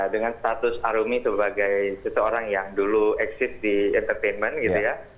dengan status arumi sebagai seseorang yang dulu eksis di entertainment gitu ya